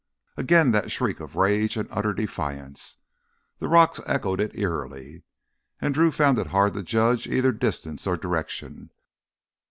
Again that shriek of rage and utter defiance. The rocks echoed it eerily, and Drew found it hard to judge either distance or direction.